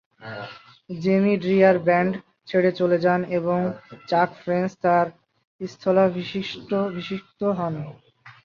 Jamie Dreyer band ছেড়ে চলে যান এবং চাক ফ্রেঞ্চ তার স্থলাভিষিক্ত হন।